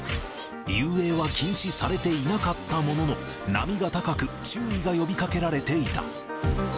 遊泳は禁止されていなかったものの、波が高く、注意が呼びかけられていた。